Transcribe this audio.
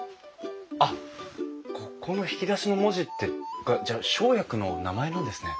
あっここの引き出しの文字ってじゃあ生薬の名前なんですね。